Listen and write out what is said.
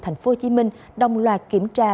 thành phố hồ chí minh đồng loạt kiểm tra